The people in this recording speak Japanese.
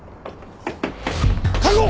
確保！